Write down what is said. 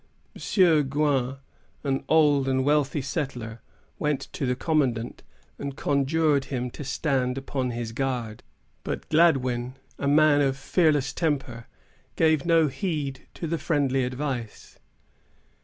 M. Gouin, an old and wealthy settler, went to the commandant, and conjured him to stand upon his guard; but Gladwyn, a man of fearless temper, gave no heed to the friendly advice.